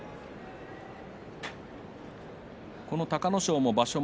この隆の勝も場所